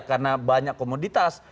karena banyak komoditas